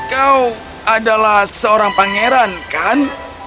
kau adalah seorang pangeran kan